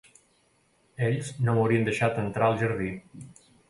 Ells no m'haurien deixat entrar al jardí.